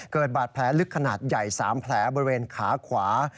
เกิดบาดแผลลึกขนาดใหญ่๓แผลบริเวณขาขวา